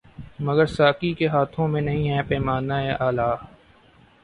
مگر ساقی کے ہاتھوں میں نہیں پیمانۂ الا